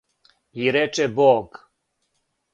И рече Бог